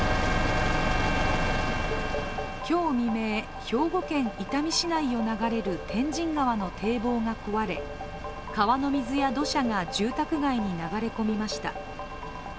今日未明、兵庫県伊丹市内を流れる天神川の堤防が壊れ川の水や土砂が住宅街に流れ込みました。